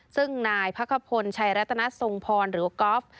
ซึ่งนายพระคพลชัยรัตนสงพรหรือก๊อฟ